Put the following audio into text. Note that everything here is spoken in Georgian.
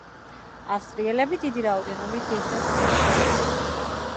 ავსტრიელები დიდი რაოდენობით დესერტს მიირთმევენ.